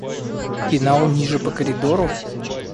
Пенал ниже по коридору?